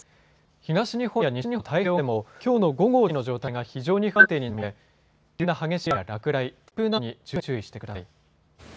東日本や西日本の太平洋側でもきょうの午後を中心に大気の状態が非常に不安定になる見込みで急な激しい雨や落雷、突風などに十分注意してください。